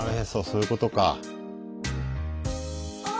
そういうことか。